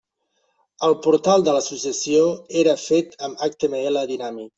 El portal de l'Associació era fet amb HTML dinàmic.